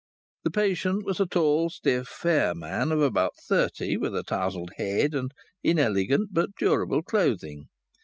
The patient was a tall, stiff, fair man of about thirty, with a tousled head and inelegant but durable clothing.